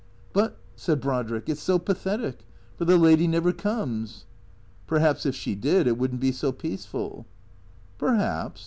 " But," said Brodrick, " it 's so pathetic, for the lady never comes." " Perhaps if she did it would n't be so peaceful." " Perhaps.